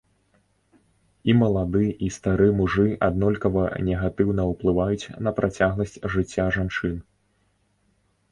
І малады, і стары мужы аднолькава негатыўна ўплываюць на працягласць жыцця жанчын.